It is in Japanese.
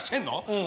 うん。